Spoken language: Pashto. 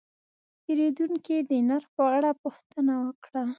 پیرودونکی د نرخ په اړه پوښتنه وکړه.